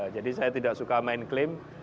jadi saya tidak suka main klaim